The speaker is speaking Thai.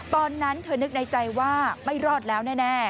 ตอนนั้นเธอนึกในใจว่าไม่รอดแล้วแน่